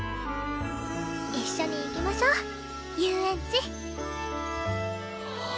一緒に行きましょう遊園地。